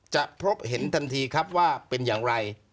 พบเห็นทันทีครับว่าเป็นอย่างไร